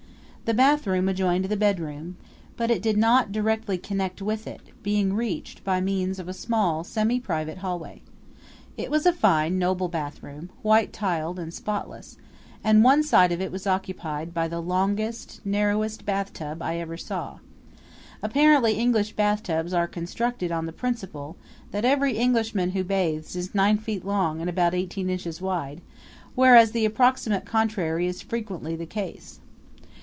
The bathroom adjoined the bedroom, but did not directly connect with it, being reached by means of a small semi private hallway. It was a fine, noble bathroom, white tiled and spotless; and one side of it was occupied by the longest, narrowest bathtub I ever saw. Apparently English bathtubs are constructed on the principle that every Englishman who bathes is nine feet long and about eighteen inches wide, whereas the approximate contrary is frequently the case.